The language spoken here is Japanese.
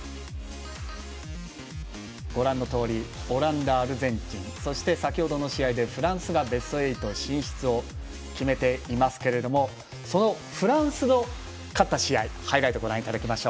ご覧のとおりオランダ、アルゼンチン先ほどの試合でフランスがベスト８進出を決めていますけどもそのフランスの勝った試合ご覧いただきましょう。